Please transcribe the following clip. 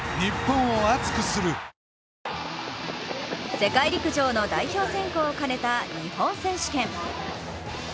世界陸上の代表選考を兼ねた日本選手権。